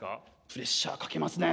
プレッシャーかけますね。